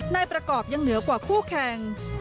นายประกอบยังเหนือกว่าคู่แข่ง